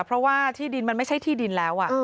เพราะว่าที่ดินมันไม่ใช่ที่ดินแล้ว